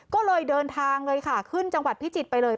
ก็เลยเดินทางเลยค่ะขึ้นจังหวัดพิจิตรไปเลย